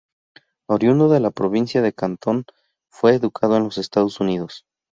Oriundo de la provincia de Cantón, fue educado en los Estados Unidos.